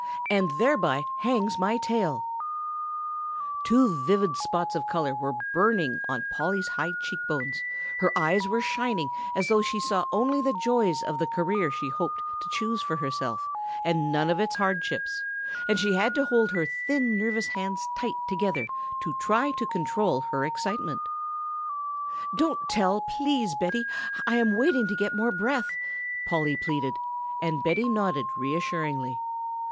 And thereby hangs my tale!" Two vivid spots of color were burning on Polly's high cheek bones, her eyes were shining as though she saw only the joys of the career she hoped to choose for herself and none of its hardships, and she had to hold her thin nervous hands tight together to try to control her excitement. "Don't tell, please, Betty, I am waiting to get more breath," Polly pleaded, and Betty nodded reassuringly.